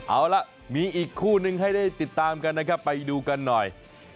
เอาล่ะมีอีกคู่นึงให้ได้ติดตามกันนะครับไปดูกันหน่อย